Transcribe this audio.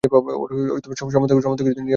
ওর সমস্ত কিছুতে নিজের প্রভাব খাটাতেন!